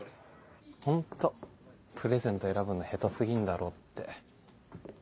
ホントプレゼント選ぶの下手過ぎんだろって。